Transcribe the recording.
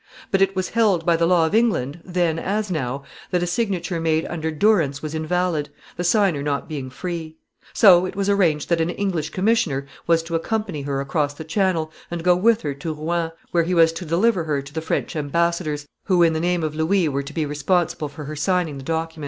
But it was held by the law of England, then as now, that a signature made under durance was invalid, the signer not being free. So it was arranged that an English commissioner was to accompany her across the Channel, and go with her to Rouen, where he was to deliver her to the French embassadors, who, in the name of Louis, were to be responsible for her signing the document.